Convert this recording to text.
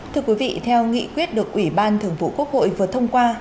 thưa quý vị theo nghị quyết được ủy ban thường vụ quốc hội vừa thông qua